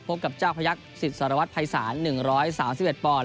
พบกับเจ้าพระยักษณ์ศิษย์สารวัตรไพรศาล๑๓๑ปอนด์